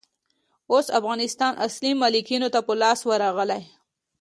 اوس افغانستان اصلي مالکينو ته په لاس ورغلئ.